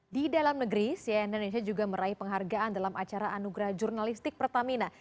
di dalam negeri cn indonesia juga meraih penghargaan dalam acara anugerah jurnalistik pertamina